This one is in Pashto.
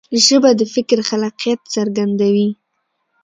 ژبه د فکر خلاقیت څرګندوي.